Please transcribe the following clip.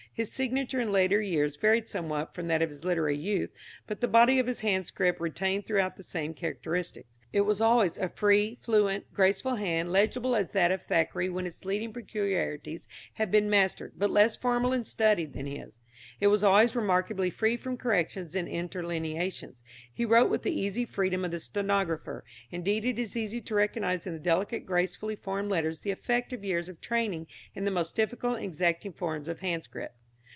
His signature in later years varied somewhat from that of his literary youth, but the body of his handscript retained throughout the same characteristics. It was always a free, fluent, graceful hand, legible as that of Thackeray when its leading peculiarities have been mastered, but less formal and studied than his. It was always remarkably free from corrections or interlineations. He wrote with the easy freedom of the stenographer; indeed it is easy to recognise in the delicate gracefully formed letters the effect of years of training in the most difficult and exacting form of handscript.